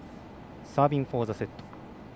サービングフォーザセット。